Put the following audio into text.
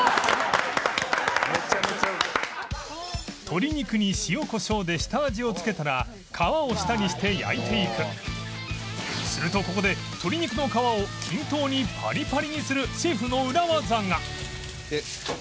鶏肉に塩コショウで下味を付けたらするとここで鶏肉の皮を均等にパリパリにするシェフの裏技が